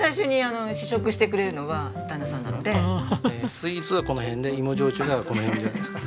スイーツがこの辺で芋焼酎がこの辺じゃないですか？